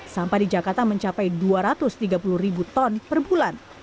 sampah di jakarta mencapai dua ratus tiga puluh ribu ton per bulan